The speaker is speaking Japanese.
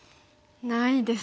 ないですか？